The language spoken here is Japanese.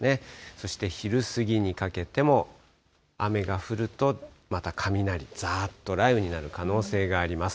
そして昼過ぎにかけても、雨が降ると、また雷、ざーっと雷雨になる可能性があります。